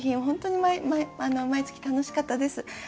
本当に毎月楽しかったです。